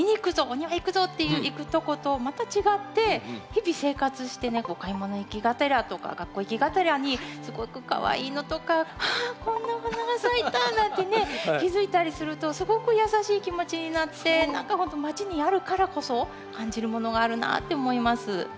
お庭行くぞ！」っていう行くとことまた違って日々生活してね買い物行きがてらとか学校行きがてらにすごくかわいいのとか「あこんなお花が咲いた」なんてね気付いたりするとすごく優しい気持ちになって何かほんとまちにあるからこそ感じるものがあるなって思います。